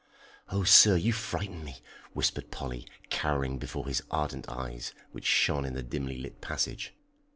"Oh, sir, you frighten me!" whispered Polly, cowering before his ardent eyes, which shone in the dimly lit passage.